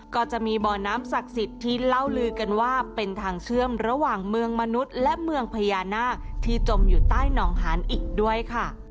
ก็จะมีบ่อน้ำศักดิ์สิทธิ์ที่เล่าลือกันว่าเป็นทางเชื่อมระหว่างเมืองมนุษย์และเมืองพญานาคที่จมอยู่ใต้หนองหานอีกด้วยค่ะ